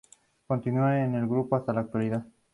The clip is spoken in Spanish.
Continúa en el grupo hasta la actualidad.